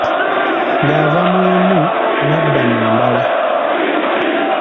Ng'ava mu emu n'adda mu ndala.